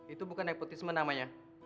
itu bukan nepotisme namanya